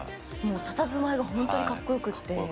たたずまいが本当にかっこよくって。